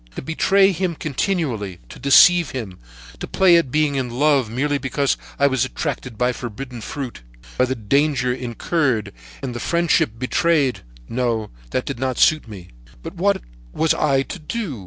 "To betray him continually, to deceive him, to play at being in love merely because I was attracted by forbidden fruit, by the danger incurred and the friendship betrayed! No, that did not suit me, but what was I to do?